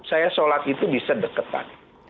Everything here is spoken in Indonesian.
saya sholat itu bisa deketan